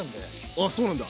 あそうなんだ。